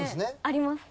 あります。